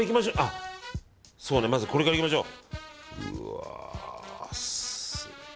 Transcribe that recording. まずこれからいきましょう。